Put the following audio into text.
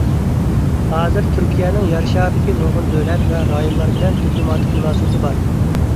ھازىر تۈركىيەنىڭ يەر شارىدىكى نۇرغۇن دۆلەت ۋە رايونلار بىلەن دىپلوماتىك مۇناسىۋىتى بار.